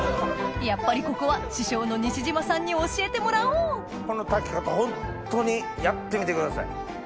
やっぱりここは師匠の西島さんに教えてもらおうこの炊き方ホントにやってみてください。